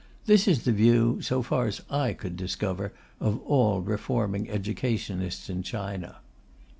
This is the view, so far as I could discover, of all reforming educationists in China.